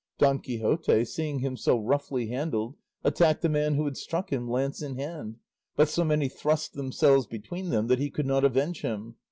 Don Quixote, seeing him so roughly handled, attacked the man who had struck him lance in hand, but so many thrust themselves between them that he could not avenge him.